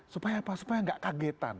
supaya apa supaya nggak kagetan